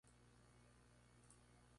Ella quedó quinta.